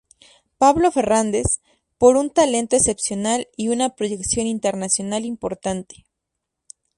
Pablo Ferrández, por un talento excepcional y una proyección internacional importante.